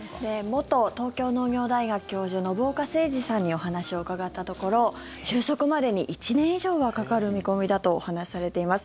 元東京農業大学教授信岡誠治さんにお話を伺ったところ収束までに１年以上はかかる見込みだとお話しされています。